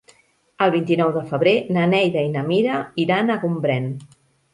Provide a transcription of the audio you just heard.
El vint-i-nou de febrer na Neida i na Mira iran a Gombrèn.